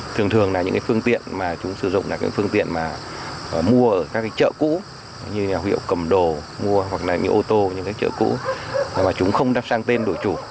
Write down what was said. thường thường là những phương tiện mà chúng sử dụng là những phương tiện mà mua ở các chợ cũ như hiệu cầm đồ mua hoặc là những ô tô những chợ cũ mà chúng không đáp sang tên đổi chủ